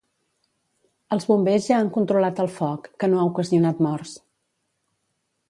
Els Bombers ja han controlat el foc, que no ha ocasionat morts.